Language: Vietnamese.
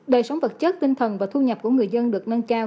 đời sống vật chất tinh thần và thu nhập của người dân được nâng cao